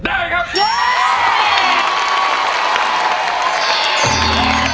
ได้ครับ